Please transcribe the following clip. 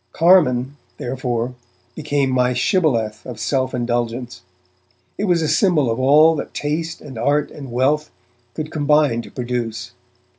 'Carmine', therefore, became my shibboleth of self indulgence; it was a symbol of all that taste and art and wealth could combine to produce.